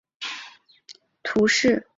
隆维人口变化图示